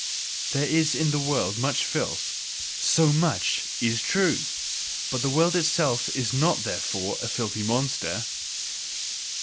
There is in the world much filth: SO MUCH is true! But the world itself is not therefore a filthy monster!